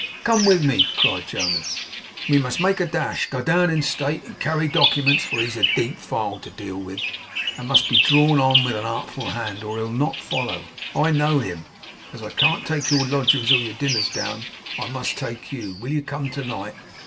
'Come with me,' cried Jonas. 'We must make a dash; go down in state, and carry documents, for he's a deep file to deal with, and must be drawn on with an artful hand, or he'll not follow. I know him. As I can't take your lodgings or your dinners down, I must take you. Will you come to night?